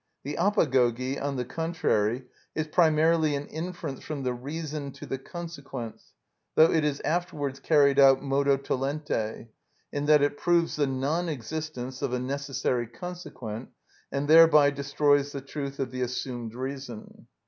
The απαγωγη, on the contrary, is primarily an inference from the reason to the consequents, though it is afterwards carried out modo tollente, in that it proves the non existence of a necessary consequent, and thereby destroys the truth of the assumed reason.